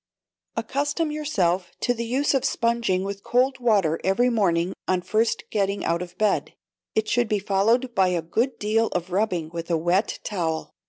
Accustom yourself to the use of sponging with cold water every morning on first getting out of bed. It should be followed by a good deal of rubbing with a wet towel.